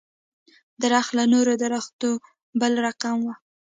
درخت له نورو درختو بل رقم و.